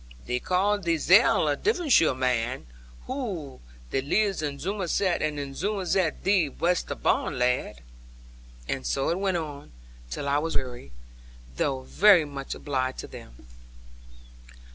Thee carl theezell a Davonsheer man! Whoy, thee lives in Zummerzett; and in Zummerzett thee wast barn, lad.' And so it went on, till I was weary; though very much obliged to them.